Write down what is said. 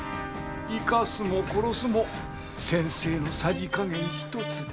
生かすも殺すも先生の匙加減ひとつ。